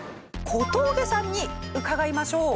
小峠さんに伺いましょう。